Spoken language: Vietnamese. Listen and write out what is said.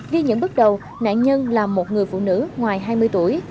vì những bước đầu nạn nhân là một người phụ nữ ngoài hai mươi tuổi